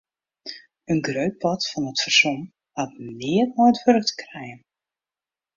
In grut part fan it fersom hat neat mei it wurk te krijen.